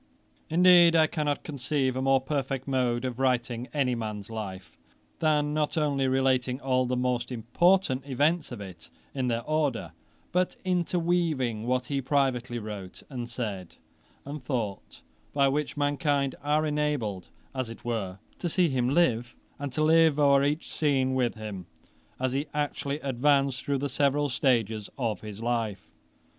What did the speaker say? Indeed I cannot conceive a more perfect mode of writing any man's life, than not only relating all the most important events of it in their order, but interweaving what he privately wrote, and said, and thought; by which mankind are enabled as it were to see him live, and to 'live o'er each scene' with him, as he actually advanced through the several stages of his life.